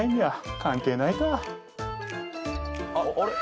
あっあれ？